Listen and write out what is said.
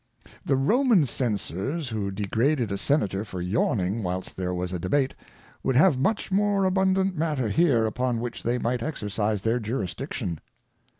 The Roman Censors who degraded a Senator for yawning whilst there was a Debate, would have much more abundant matter here upon which they might exercise their Jurisdiction.